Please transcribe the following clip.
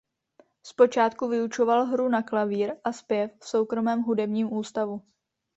Zpočátku vyučoval hru na klavír a zpěv v soukromém hudebním ústavu.